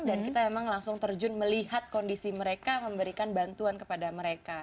dan kita memang langsung terjun melihat kondisi mereka memberikan bantuan kepada mereka